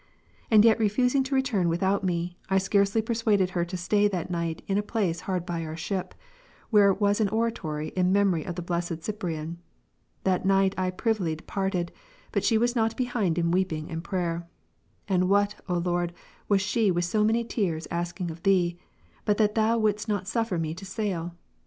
And yet refusing to return without me, I scarcely persuaded her to stay that night in a place hard by our ship, where was an Oratory"^ in memory of the blessed Cyprian. That night I privily departed, but she was not behind in weeping and prayer. And what, O Lord, was she with so many tears asking of Thee, but that Thou wouldest not suf fer me to sail